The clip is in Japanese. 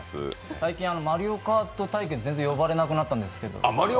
最近、マリオカート対決全然呼ばれなくなったんですけど。